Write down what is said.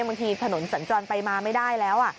บางทีถนนสัญจรไปมาไม่ได้แล้ว